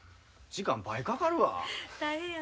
時間倍かかるわ。